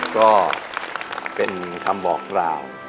ก็เป็นคำบอกกล่าว